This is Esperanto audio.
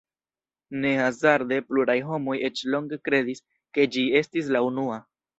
Ne hazarde pluraj homoj eĉ longe kredis, ke ĝi estis la unua.